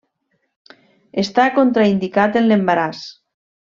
Està contraindicat en l'embaràs.